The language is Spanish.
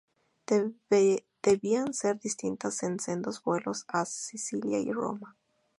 Debían ser destinadas en sendos vuelos a Sicilia y Roma.